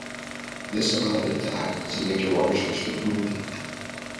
This allowed it to act as a major water source for the community.